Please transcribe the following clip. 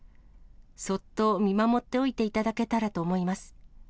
そっと見守っておいていただけたらと思います。